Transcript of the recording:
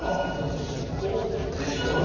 おっできそうだな